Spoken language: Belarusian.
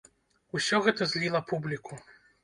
Усё гэта зліла публіку.